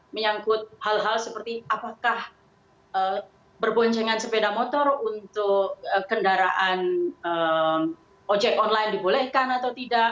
menyangkut hal hal seperti apakah berboncengan sepeda motor untuk kendaraan ojek online dibolehkan atau tidak